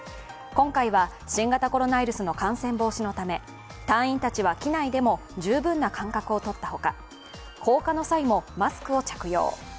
今回は新型コロナウイルスの感染防止のため隊員たちは機内でも十分な間隔をとったほか降下の際もマスクを着用。